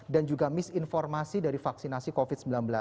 dan juga misinformasi dari vaksinasi covid sembilan belas